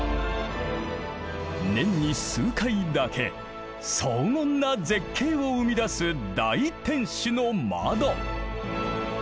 年に数回だけ荘厳な絶景を生み出す大天守の窓。